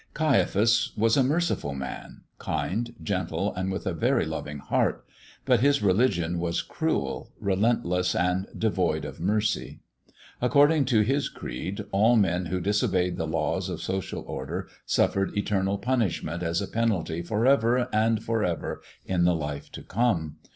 Caiaphas was a merciful man kind, gentle, and with a very loving heart. But his religion was cruel, relentless, and devoid of mercy. According to his creed, all men who disobeyed the laws of social order suffered eternal punishment as a penalty forever and forever in the life to come.